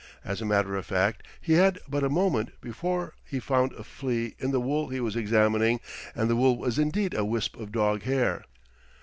As a matter of fact, he had but a moment before found a flea in the wool he was examining, and the wool was indeed a wisp of dog hair.